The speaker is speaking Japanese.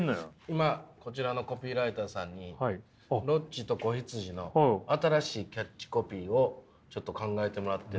今こちらのコピーライターさんに「ロッチと子羊」の新しいキャッチコピーをちょっと考えてもらってる。